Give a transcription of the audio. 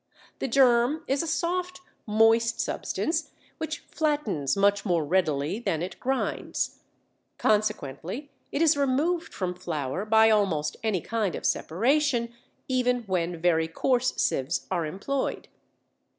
The germ is a soft moist substance which flattens much more readily than it grinds. Consequently it is removed from flour by almost any kind of separation, even when very coarse sieves are employed.